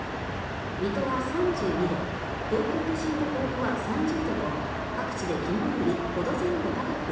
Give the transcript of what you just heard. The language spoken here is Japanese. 水戸は３２度東京都心と甲府は３０度と各地で昨日より５度前後高く